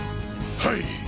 はい！